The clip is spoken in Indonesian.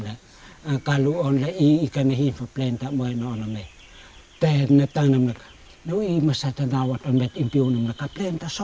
mereka adalah orang timur yang memiliki kebijakan dalam hal menyekolahkan anaknya